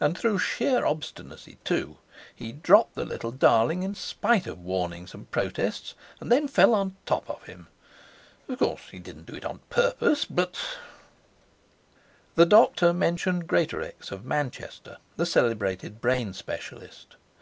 And through sheer obstinacy too! He dropped the little darling in spite of warnings and protests, and then fell on the top of him. Of course, he didn't do it on purpose, but ' The doctor mentioned Greatorex of Manchester, the celebrated brain specialist.